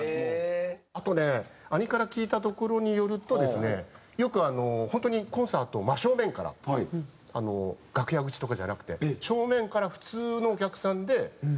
あとね兄から聞いたところによるとですねよくあの本当にコンサートを真正面からあの楽屋口とかじゃなくて正面から普通のお客さんで丸ちゃんが。